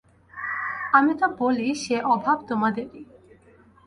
আমি তো বলি সে অভাব তোমাদেরই।